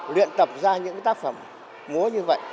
luyện tập ra những tác phẩm múa như vậy